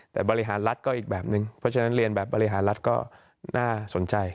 แต่บริหารรัฐก็อีกแบบนึงเพราะฉะนั้นเรียนแบบบริหารรัฐก็น่าสนใจ